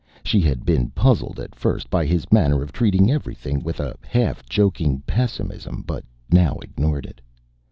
She had been puzzled at first by his manner of treating everything with a half joking pessimism, but now ignored it.